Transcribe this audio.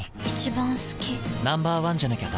Ｎｏ．１じゃなきゃダメだ。